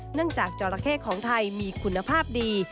จากจอราเข้ของไทยมีคุณภาพดี